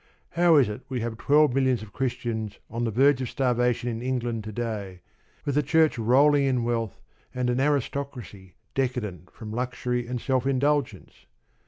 How is it we have twelve millions of Christians on the verge of starvation in England to day, with a Church rolling in wealth and an aristocracy decadent from luxury and self indulgence?